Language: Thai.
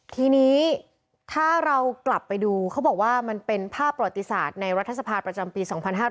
ทีนี้ถ้าเรากลับไปดูเขาบอกว่ามันเป็นภาพประวัติศาสตร์ในรัฐสภาประจำปี๒๕๕๙